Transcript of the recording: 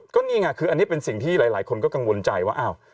ก็นี่ไงคืออันนี้เป็นสิ่งที่หลายคนก็กังวลใจว่าอ้าว